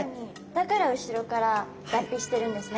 だから後ろから脱皮してるんですね。